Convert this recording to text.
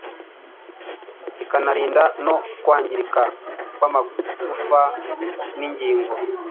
ikanarinda no kwangirika kw’amagufa n’ingingo.